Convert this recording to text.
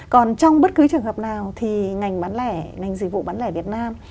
còn trong bất cứ trường hợp nào thì ngành bán lẻ ngành dịch vụ bán lẻ việt nam